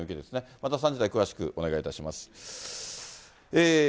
また３時台、詳しくお願いいたします。